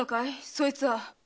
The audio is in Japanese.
そいつは。